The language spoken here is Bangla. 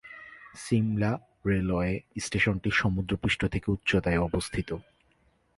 সিমলা রেলওয়ে স্টেশনটি সমুদ্রপৃষ্ঠ থেকে উচ্চতায় অবস্থিত।